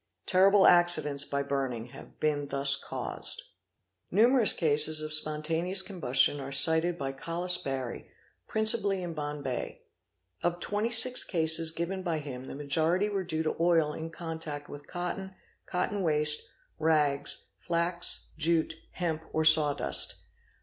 'Terrible accidents by burning have been thus caused "®),| Numerous cases of spontaneous combustion are cited by Collis Barry"), principally in Bombay. Of 26 cases given by him the majority were due to oil in contact with cotton, cotton waste, rags, flax, jute, hemp, or saw dust.